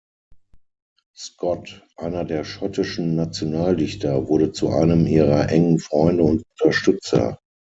Scott, einer der schottischen Nationaldichter, wurde zu einem ihrer engen Freunde und Unterstützer.